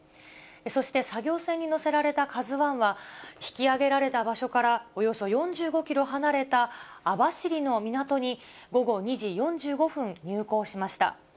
そして作業船に載せられたＫＡＺＵＩは、引き揚げられた場所からおよそ４５キロ離れた網走の港に午後２時４５分、入港しました。